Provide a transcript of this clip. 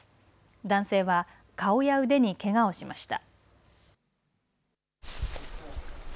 男性は顔や腕にけがをしました。